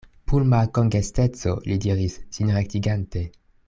Pulma kongesteco, li diris, sin rektigante.